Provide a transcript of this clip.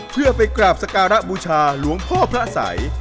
เพื่อไปกราบสการะบูชาหลวงพ่อพระอาศัย